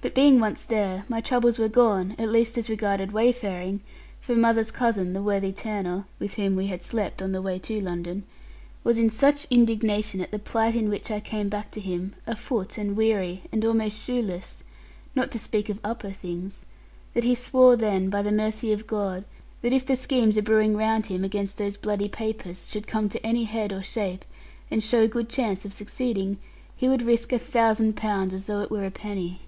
But being once there, my troubles were gone, at least as regarded wayfaring; for mother's cousin, the worthy tanner (with whom we had slept on the way to London), was in such indignation at the plight in which I came back to him, afoot, and weary, and almost shoeless not to speak of upper things that he swore then, by the mercy of God, that if the schemes abrewing round him, against those bloody Papists, should come to any head or shape, and show good chance of succeeding, he would risk a thousand pounds, as though it were a penny.